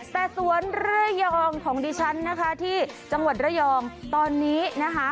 แต่สวนระยองของดิฉันนะคะที่จังหวัดระยองตอนนี้นะคะ